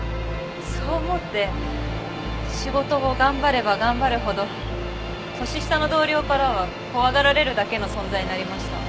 そう思って仕事を頑張れば頑張るほど年下の同僚からは怖がられるだけの存在になりました。